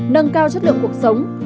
nâng cao chất lượng cuộc sống